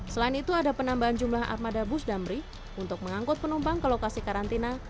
selain itu ada penambahan jumlah armada bus damri untuk mengangkut penumpang ke lokasi karantina